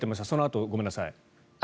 そのあと、ごめんなさい。